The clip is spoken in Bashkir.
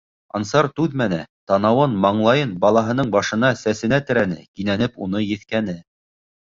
Ансар түҙмәне, танауын, маңлайын балаһының башына, сәсенә терәне, кинәнеп уны еҫкәне.